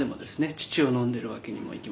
乳を飲んでるわけにもいきません。